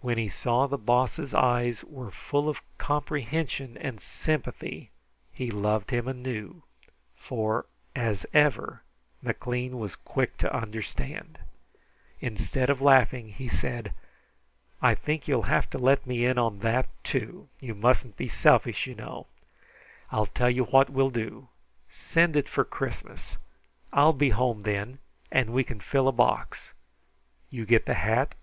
When he saw the Boss's eyes were full of comprehension and sympathy, he loved him anew, for, as ever, McLean was quick to understand. Instead of laughing, he said: "I think you'll have to let me in on that, too. You mustn't be selfish, you know. I'll tell you what we'll do. Send it for Christmas. I'll be home then, and we can fill a box. You get the hat.